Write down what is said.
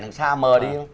đằng xa mờ đi